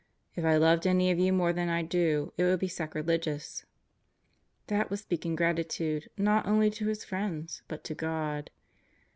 "If I loved any of you more than I do, it would be sacrilegious." That was speaking gratitude not only to his friends, but to God.